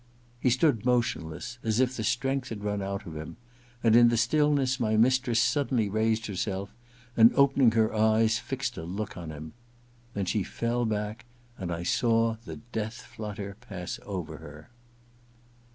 He stood motionless, as if the strength had run out of him ; and in the stillness my mistress suddenly raised herself, and opening her eyes fixed a look on him. Then she fell back, and I saw the death flutter pass over her.